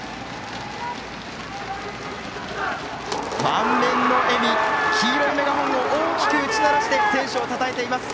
満面の笑み黄色いメガホンを大きく打ち鳴らして選手をたたえています。